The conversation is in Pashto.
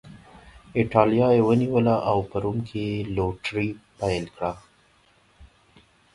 اېټالیا یې ونیوله او په روم کې یې لوټري پیل کړه